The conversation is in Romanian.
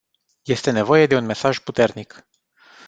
Este nevoie de un mesaj puternic.